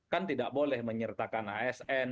kan tidak boleh menyertakan asn